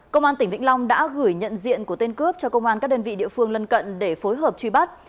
công an tỉnh vĩnh long đã gửi nhận diện của tên cướp cho công an các đơn vị địa phương lân cận để phối hợp truy bắt